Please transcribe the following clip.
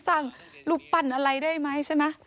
สร้างรูปปั่นอะไรได้ไหมใช่มั้ย